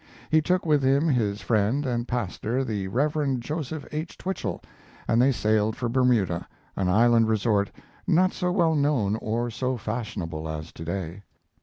He took with him his, friend and pastor, the Rev. Joseph H. Twichell, and they sailed for Bermuda, an island resort not so well known or so fashionable as to day.